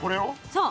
そう。